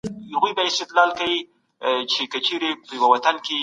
معنوي ارزښتونه باید تل خوندي وساتل سي.